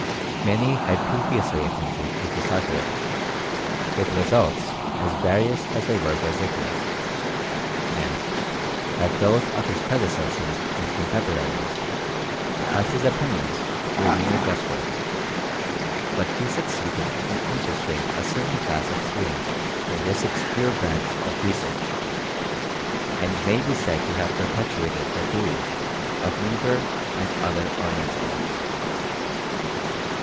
Many had previously attempted to decipher it, with results as various as they were ridiculous; and, like those of his predecessors and contemporaries, Price's opinions were mere guess work; but he succeeded in interesting a certain class of students in this obscure branch of research, and may be said to have perpetuated the theories of Niebuhr and other Orientalists.